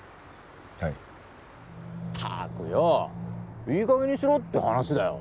はいったくよいい加減にしろって話だよ